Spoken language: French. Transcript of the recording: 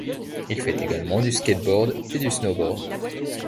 Il fait également du skateboard et du snowboard.